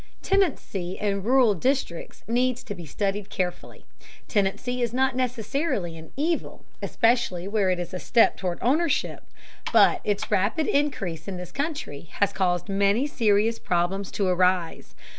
Tenancy in rural districts needs to be studied carefully. Tenancy is not necessarily an evil, especially where it is a step toward ownership, but its rapid increase in this country has caused many serious problems to arise.